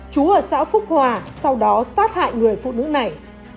chú ở xã phúc hòa sau đó sát hại người phụ nữ này